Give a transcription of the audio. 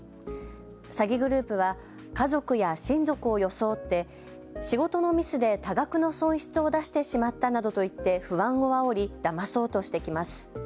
詐欺グループは家族や親族を装って仕事のミスで多額の損失を出してしまったなどと言って不安をあおりだまそうとしてきます。